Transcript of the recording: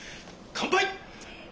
乾杯！